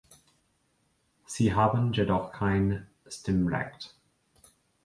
Sie haben jedoch kein Stimmrecht.